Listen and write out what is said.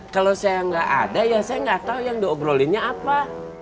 kalau saya nggak ada ya saya nggak tahu yang diobrolinnya apa